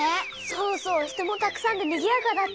そうそう人もたくさんでにぎやかだった。